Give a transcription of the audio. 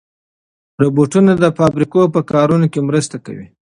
روبوټونه د فابریکو په کارونو کې مرسته کوي.